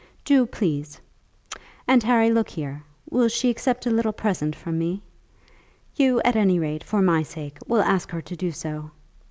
"Do, please; and, Harry, look here. Will she accept a little present from me? You, at any rate, for my sake, will ask her to do so.